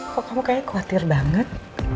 kok kamu kayaknya khawatir banget